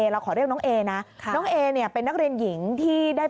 เราก็ขอเลี่ยวน้องเอนะ